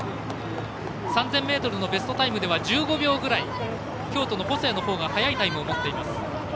３０００ｍのベストタイムでは１５秒ぐらい京都の細谷のほうが速いタイムを持っています。